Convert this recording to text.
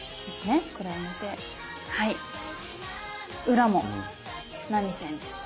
裏も波線です。